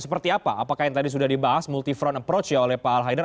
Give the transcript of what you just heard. seperti apa apakah yang tadi sudah dibahas multi front approach ya oleh pak al haidar